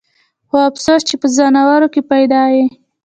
خو افسوس چې پۀ ځناورو کښې پېدا ئې